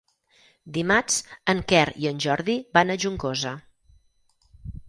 Dimarts en Quer i en Jordi van a Juncosa.